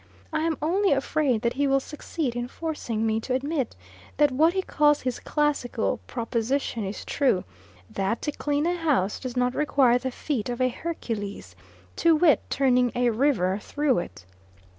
I am only afraid that he will succeed in forcing me to admit, that what he calls his classical proposition is true; that to clean a house does not require the feat of a Hercules, to wit: turning a river through it.